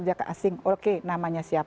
dua puluh tenaga kerja ke asing oke namanya siapa